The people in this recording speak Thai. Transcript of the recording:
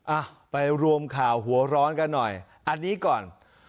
อ่ะไปรวมข่าวหัวร้อนกันหน่อยอันนี้ก่อน